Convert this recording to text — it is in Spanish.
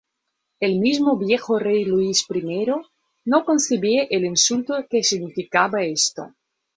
El mismo viejo rey Luis I no concebía el insulto que significaba esto.